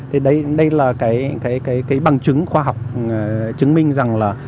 thì đấy là cái bằng chứng khoa học chứng minh rằng là